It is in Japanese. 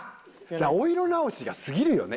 お色直しが過ぎるよねエビの。